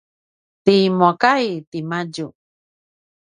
ti muakay timadju